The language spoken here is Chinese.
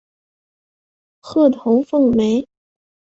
褐头凤鹛。